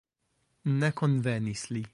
Ne konvenis li.